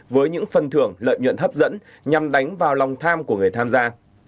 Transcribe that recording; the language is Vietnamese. với những phần thưởng lợi nhuận hấp dẫn nhằm đánh vào lòng tham của người tham gia